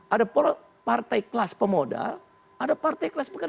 ada partai kelas pemodal ada partai kelas pekerja